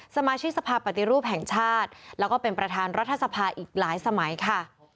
สมาชิกสภาพปฏิรูปแห่งชาติแล้วก็เป็นประธานรัฐสภาอีกหลายสมัยค่ะ